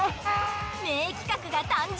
名企画が誕生？